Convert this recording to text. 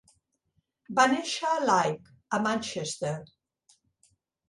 Va néixer a Leigh, a Manchester